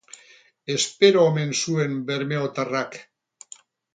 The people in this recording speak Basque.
Espero omen zuen bermeotarrak.